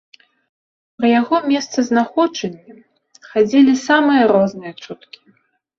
Пра яго месцазнаходжанне хадзілі самыя розныя чуткі.